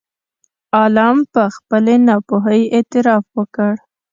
عالم په خپلې ناپوهۍ اعتراف وکړ.